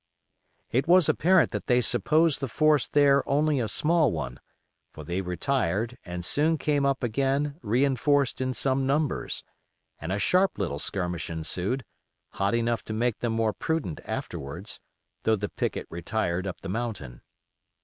It was apparent that they supposed the force there only a small one, for they retired and soon came up again reinforced in some numbers, and a sharp little skirmish ensued, hot enough to make them more prudent afterwards, though the picket retired up the mountain.